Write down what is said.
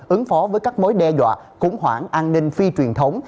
ứng phó với các mối đe dọa khủng hoảng an ninh phi truyền thống